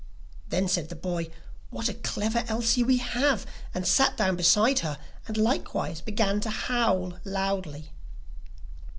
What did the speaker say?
Then said the boy: 'What a clever Elsie we have!' and sat down by her, and likewise began to howl loudly.